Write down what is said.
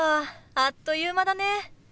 あっという間だね。